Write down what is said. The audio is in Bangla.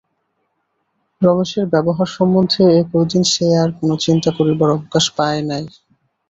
রমেশের ব্যবহার সম্বন্ধে এ কয়দিন সে আর-কোনো চিন্তা করিবার অবকাশ পায় নাই।